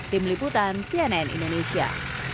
tim liputan cnn indonesia